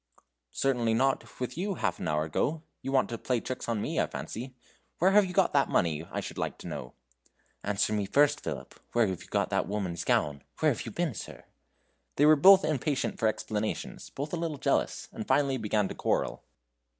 "Certainly not with you half an hour ago; you want to play tricks on me, I fancy; where have you got that money, I should like to know?" "Answer me first, Philip, where you got that woman's gown. Where have you been, sir?" They were both impatient for explanations, both a little jealous and finally began to quarrel.